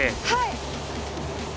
はい。